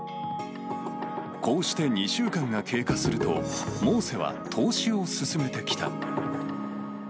こうして２週間が経過すると、モーセは投資を勧めてきた。